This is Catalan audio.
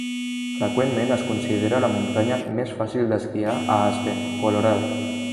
Freqüentment es considera la muntanya més fàcil d'esquiar a Aspen, Colorado.